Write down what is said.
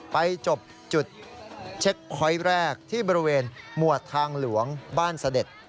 ไปจบจุดเช็คพอยต์แรกที่บริเวณหมวดทางหลวงบ้านเสด็จ